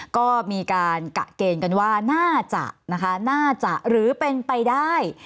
ก็มีการกะเกณฑ์กันว่าน่าจะนะคะน่าจะหรือเป็นไปได้